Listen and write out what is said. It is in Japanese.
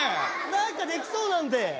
何かできそうなんで。